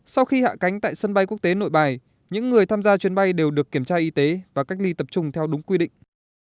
sau khi hạ cánh tại sân bay quốc tế nội bài những người tham gia chuyến bay đều được kiểm tra y tế và cách ly tập trung theo đúng quy định